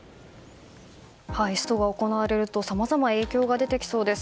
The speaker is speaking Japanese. ストが行われるとさまざま、影響が出てきそうです。